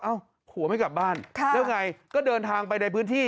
ผัวไม่กลับบ้านแล้วไงก็เดินทางไปในพื้นที่